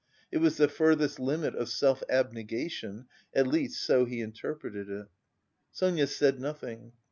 It was the furthest limit of self abnegation, at least so he interpreted it. Sonia said nothing.